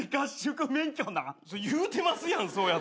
言うてますやんそうやって。